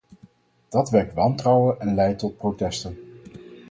Dat wekt wantrouwen en leidt tot protesten.